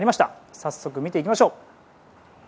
早速見ていきましょう。